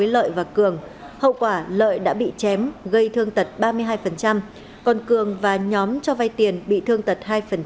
lợi và cường hậu quả lợi đã bị chém gây thương tật ba mươi hai còn cường và nhóm cho vay tiền bị thương tật hai